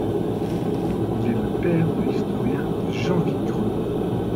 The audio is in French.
Il est le père de l'historien Jean Vigreux.